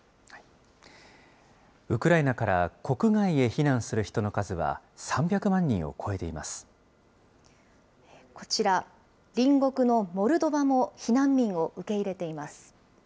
ウクライナから国外へ避難する人の数は３００万人を超えていこちら、隣国のモルドバも避難民を受け入れています。